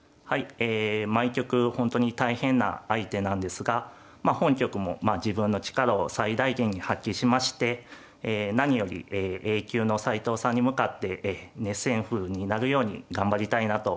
え毎局本当に大変な相手なんですが本局もまあ自分の力を最大限に発揮しまして何よりＡ級の斎藤さんに向かって熱戦譜になるように頑張りたいなと思っております。